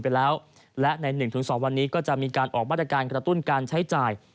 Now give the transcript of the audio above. ไปแล้วและใน๑๒วันนี้ก็จะมีการออกมาตรการกระตุ้นการใช้จ่าย